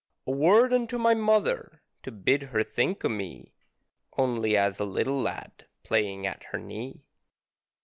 _ A word unto my mother to bid her think o' me Only as a little lad playing at her knee.